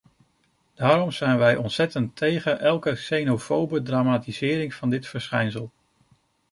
Daarom zijn wij ontzettend tegen elke xenofobe dramatisering van dit verschijnsel.